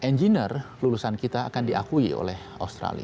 jadi engineer lulusan universitas universitas di indonesia bisa bekerja juga di australia